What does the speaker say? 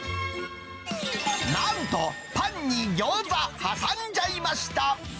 なんと、パンに餃子挟んじゃいました。